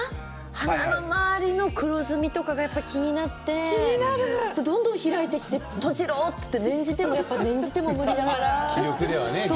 鼻の周りの黒ずみが気になってどんどん開いていって閉じろと念じても無理だから。